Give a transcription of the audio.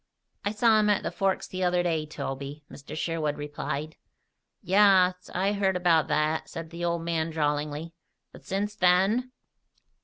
"I saw him at the Forks the other day, Toby," Mr. Sherwood replied. "Yaas. I heard about that," said the old man drawlingly. "But since then?"